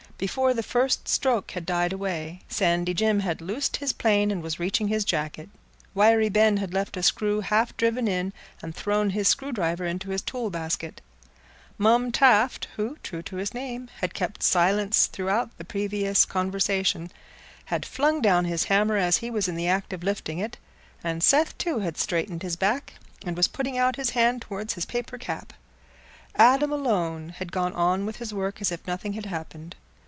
Before the first stroke had died away, Sandy Jim had loosed his plane and was reaching his jacket; Wiry Ben had left a screw half driven in, and thrown his screwdriver into his tool basket; Mum Taft, who, true to his name, had kept silence throughout the previous conversation, had flung down his hammer as he was in the act of lifting it; and Seth, too, had straightened his back, and was putting out his hand towards his paper cap. Adam alone had gone on with his work as if nothing had happened.